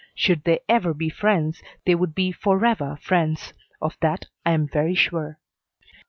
Should they ever be friends, they would be forever friends. Of that I am very sure.